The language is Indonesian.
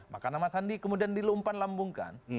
maka nama sandi kemudian dilumpan lambungkan